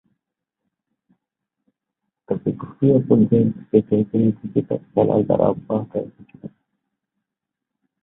তবে, ঘরোয়া পর্যায়ের ক্রিকেটে তিনি ঠিকই তার খেলার ধারা অব্যাহত রেখেছিলেন।